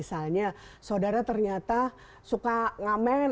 misalnya saudara ternyata suka ngamen